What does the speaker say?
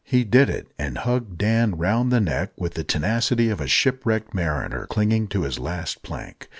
He did it, and hugged Dan round the neck with the tenacity of a shipwrecked mariner clinging to his last plank.